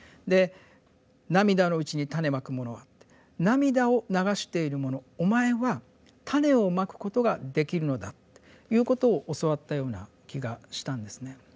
で「涙のうちに種蒔く者は」って涙を流している者お前は種を蒔くことができるのだということを教わったような気がしたんですね。